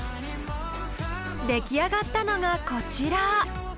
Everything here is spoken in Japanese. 出来上がったのがこちら。